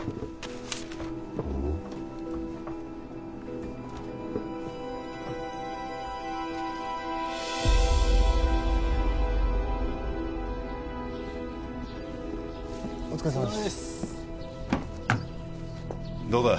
おおっお疲れさまですどうだ？